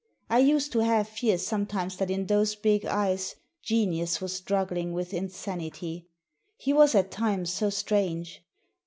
I used to half fear sometimes that in those big eyes genius was struggling with in sanity ; he was at times so strange.